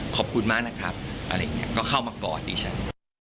ขอบคุณมากนะครับอะไรอย่างนี้ก็เข้ามากอดดิฉัน